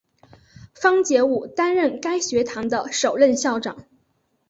方解吾担任该学堂的首任校长。